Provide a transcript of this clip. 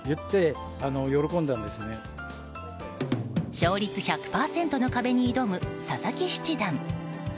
勝率１００％の壁に挑む佐々木七段。